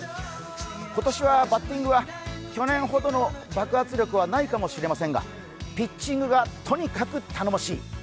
今年はバッティングは去年ほどの爆発力はないかもしれませんがピッチングがとにかく頼もしい。